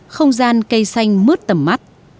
không gian cây xanh mướt tầm mắt